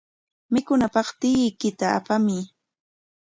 Mikunanpaq tiyuykita qayamuy.